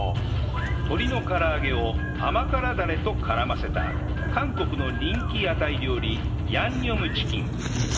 鶏の唐揚げを甘辛ダレと絡ませた韓国の人気屋台料理ヤンニョムチキン